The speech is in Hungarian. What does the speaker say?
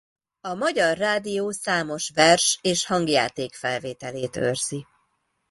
A Magyar Rádió számos vers és hangjáték felvételét őrzi.